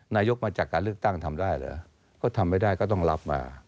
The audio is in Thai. มาจากการเลือกตั้งทำได้เหรอก็ทำไม่ได้ก็ต้องรับมา